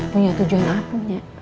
punya tujuan apa nih